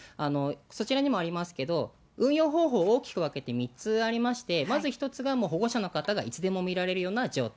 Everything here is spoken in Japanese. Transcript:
そちらにもありますけど、運用方法、大きく分けて３つありまして、まず１つが保護者の方がいつでも見られるような状態。